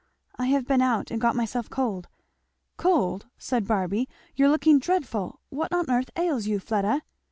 "I have been out and got myself cold " "Cold!" said Barby, "you're looking dreadful! What on earth ails you, Fleda?"